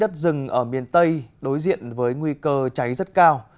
đất rừng ở miền tây đối diện với nguy cơ cháy rất cao